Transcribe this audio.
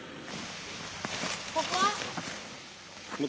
ここ？